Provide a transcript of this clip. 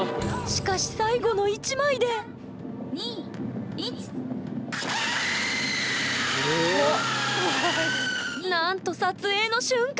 しかし最後の１枚でなんと撮影の瞬間！